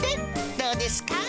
どうですか？